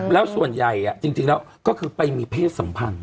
แล้วส่วนใหญ่จริงแล้วก็คือไปมีเพศสัมพันธ์